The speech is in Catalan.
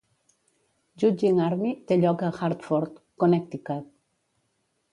"Judging Army" té lloc a Hartford, Connecticut.